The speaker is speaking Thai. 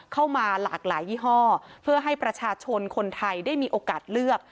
เข้ามาหลากหลายยี่ห้อเพื่อให้ประชาชนคนไทยได้มีโอกาสเลือก